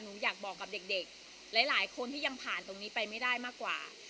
หนูอยากบอกกับเด็กหลายคนที่ยังผ่านตรงนี้ไปไม่ได้มากกว่า